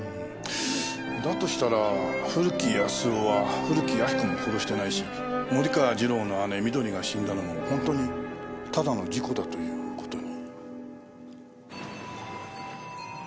だとしたら古木保男は古木亜木子も殺してないし森川次郎の姉みどりが死んだのも本当にただの事故だという事に。